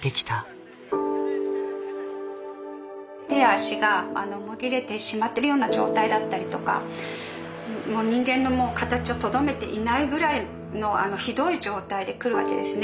手や足がもぎれてしまってるような状態だったりとかもう人間の形をとどめていないぐらいのひどい状態で来るわけですね。